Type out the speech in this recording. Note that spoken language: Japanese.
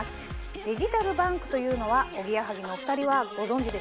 デジタルバンクというのはおぎやはぎのお２人はご存じでしたか？